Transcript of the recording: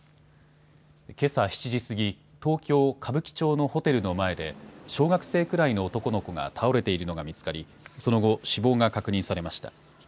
けさ７時過ぎ、東京・歌舞伎町のホテルの前で、小学生くらいの男の子が倒れているのが見つかり、その後、死亡が確認されました。